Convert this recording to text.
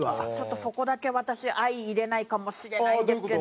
そこだけ私相いれないかもしれないんですけど。